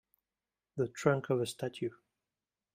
The trunk of a statue.